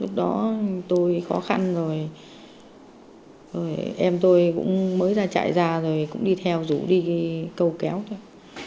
lúc đó tôi khó khăn rồi em tôi cũng mới ra chạy ra rồi cũng đi theo rủ đi câu kéo thôi